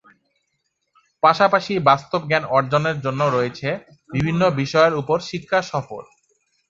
পাশাপাশি বাস্তব জ্ঞান অর্জনের জন্য রয়েছে বিভিন্ন বিষয়ের উপর শিক্ষা সফর।